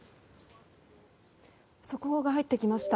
速報が入ってきました。